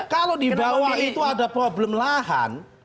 kalau di bawah itu ada problem lahan